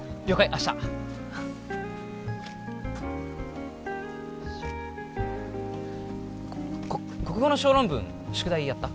明日こ国語の小論文宿題やった？